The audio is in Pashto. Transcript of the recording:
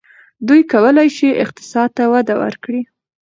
دوی کولای شي اقتصاد ته وده ورکړي.